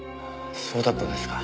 そうだったんですか。